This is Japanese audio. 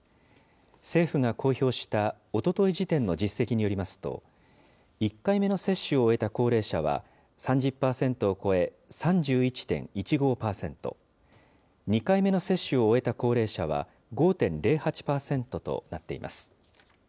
政府が公表したおととい時点の実績によりますと、１回目の接種を終えた高齢者は３０％を超え、３１．１５％、２回目の接種を終えた高齢者は５．０８％となっています。